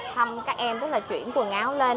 thăm các em chuyển quần áo lên